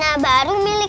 tahu brake degree